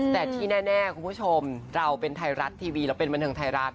แต่ที่แน่คุณผู้ชมเราเป็นไทยรัฐทีวีเราเป็นบันเทิงไทยรัฐ